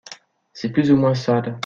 C’est plus ou moins sale.